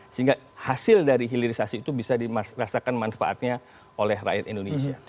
sehingga hasil dari hilirisasi itu bisa dirasakan manfaatnya oleh rakyat indonesia